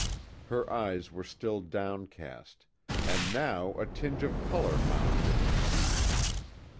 Her eyes were still downcast, and now a tinge of color mounted in her cheeks.